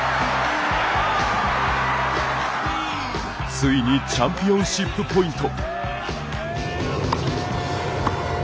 ついにチャンピオンシップポイント。